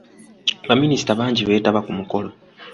Baminisita bangi beetaba ku mukolo.